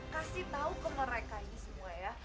kasih tahu ke mereka ini semua ya